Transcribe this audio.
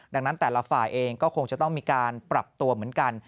ดังนั้นแต่ละฝ่ายเองก็คงจะต้องมีการปรับตัวเหมือนกัน